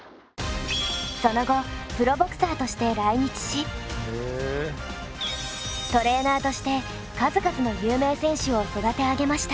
その後プロボクサーとして来日しトレーナーとして数々の有名選手を育て上げました。